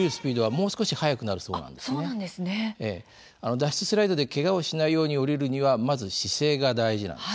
脱出スライドでけがをしないように降りるにはまず姿勢が大事なんですね。